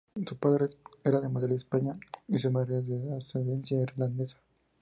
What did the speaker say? Su padre era de Madrid, España y su madre es de ascendencia irlandesa.